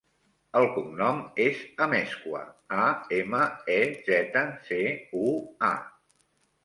El cognom és Amezcua: a, ema, e, zeta, ce, u, a.